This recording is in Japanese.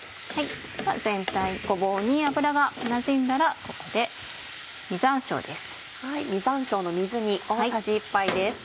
全体ごぼうに脂がなじんだらここで実山椒です。